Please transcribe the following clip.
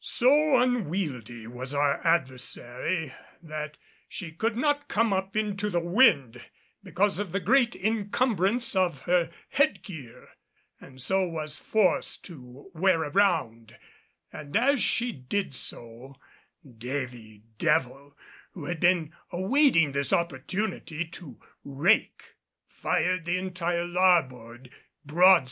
So unwieldy was our adversary that she could not come up into the wind because of the great encumbrance of her head gear, and so was forced to wear around; and as she did so, Davy Devil who had been awaiting this opportunity to rake, fired the entire larboard broadside.